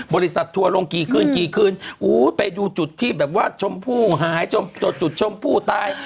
ทัวร์ลงกี่คืนกี่คืนอู้ไปดูจุดที่แบบว่าชมพู่หายจุดชมผู้ตาย